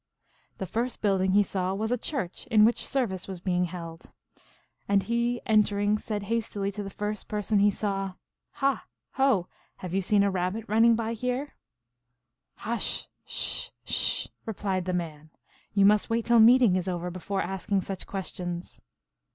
The first building he saw was a church, in which service was being held. And he, en tering, said hastily to the first person he saw, " Ha ! ho ! have you seen a Rabbit running by here ?"" Hush sh, sh !" replied the man. " You must wait till meeting is over before asking such ques tions."